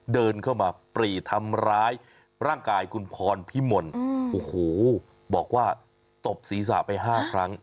เดินเข้ามาปรีทำร้ายร่างกายคุณพรพิมลโอ้โหบอกว่าตบศีรษะไป๕ครั้ง